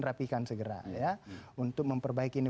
rapikan segera ya untuk memperbaiki ini